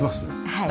はい。